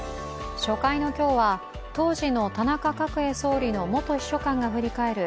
初回の今日は当時の田中角栄総理の元秘書官が振り返る